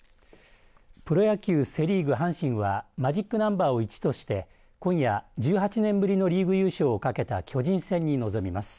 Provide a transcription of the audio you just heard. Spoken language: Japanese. プロ野球、セ・リーグ阪神はマジックナンバーを１として今夜１８年ぶりのリーグ優勝を懸けた巨人戦に臨みます。